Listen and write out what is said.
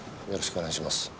よろしくお願いします。